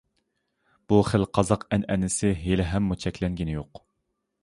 بۇ خىل قازاق ئەنئەنىسى ھېلىھەممۇ چەكلەنگىنى يوق.